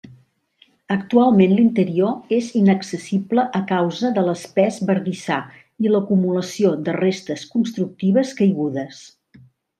Actualment l'interior és inaccessible a causa de l'espès bardissar i l'acumulació de restes constructives caigudes.